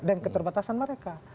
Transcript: dan keterbatasan mereka